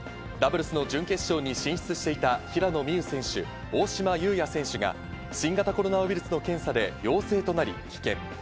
ダブルスの準決勝に進出していた平野美宇選手、大島祐哉選手が、新型コロナウイルスの検査で陽性となり棄権。